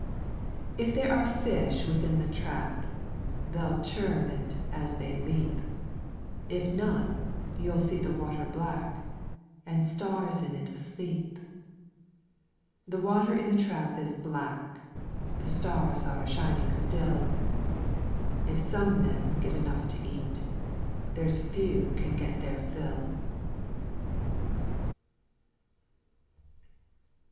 If there are fish within the trap, They '11 churn it as they leap. If none, you '11 see the water black, And stars in it asleep. The water in the trap is black, The stars are shining still If some men get enough to eat. There's few can get their fill.